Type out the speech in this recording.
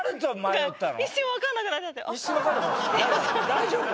大丈夫？